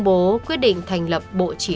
để đánh từ